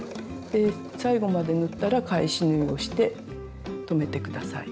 で最後まで縫ったら返し縫いをして止めて下さい。